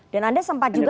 dan anda sempat juga